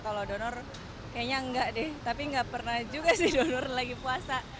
kalau donor kayaknya enggak deh tapi nggak pernah juga sih donor lagi puasa